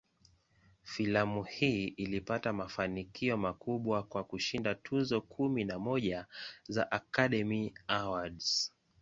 Filamu hii ilipata mafanikio makubwa, kwa kushinda tuzo kumi na moja za "Academy Awards".